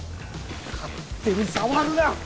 勝手に触るな！